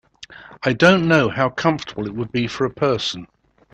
I don’t know how comfortable it would be for a person.